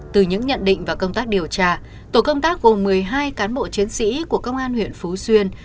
từ những nhận định và công tác điều tra tổ công tác gồm một mươi hai cán bộ chiến sĩ của công an huyện phú xuyên